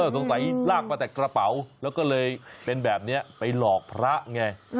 สงสัยลากมาแต่กระเป๋าแล้วก็เลยเป็นแบบนี้ไปหลอกพระไง